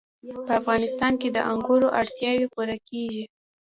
په افغانستان کې د انګورو اړتیاوې پوره کېږي.